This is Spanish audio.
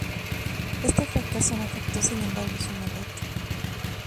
Ese fracaso no afectó sin embargo su mandato.